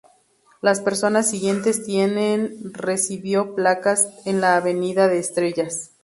Las personas siguientes tienen recibió placas en la avenida de estrellas.